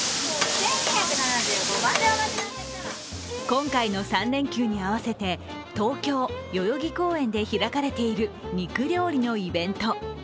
今回の３連休に合わせて東京・代々木公園で開かれている肉料理のイベント。